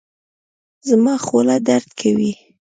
زما خوله درد کوي